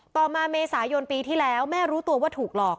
ต่อมาเมษายนปีที่แล้วแม่รู้ตัวว่าถูกหลอก